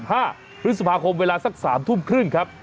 ห้าพฤษภาคมเวลาสักสามทุ่มครึ่งครับ